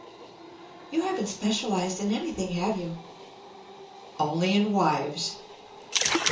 "You haven't specialized in anything, have you?" "Only in wives."